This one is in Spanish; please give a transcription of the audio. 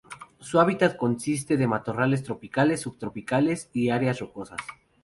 Su hábitat consiste de matorrales tropicales y subtropicales y áreas rocosas.